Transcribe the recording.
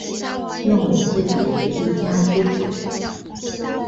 认为自己是一家之主